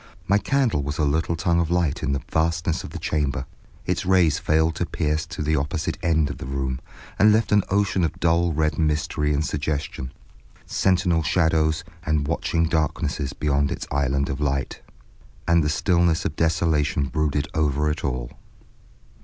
My candle was a little tongue of light in the vastness of the chamber; its rays failed to pierce to the opposite end of the room, and left an ocean of dull red mystery and suggestion, sentinel shadows and watching darknesses beyond its island of light. And the stillness of desolation brooded over it all.